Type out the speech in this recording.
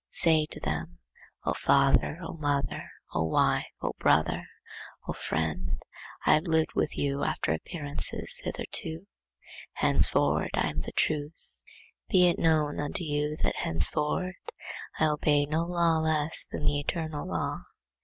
Say to them, 'O father, O mother, O wife, O brother, O friend, I have lived with you after appearances hitherto. Henceforward I am the truth's. Be it known unto you that henceforward I obey no law less than the eternal law.